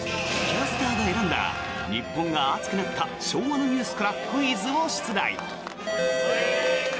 キャスターが選んだ日本が熱くなった昭和のニュースからクイズを出題。